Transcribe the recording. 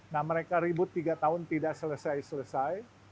nah mereka ribut tiga tahun tidak selesai selesai